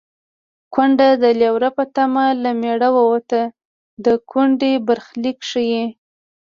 کونډه د لېوره په تمه له مېړه ووته د کونډې برخلیک ښيي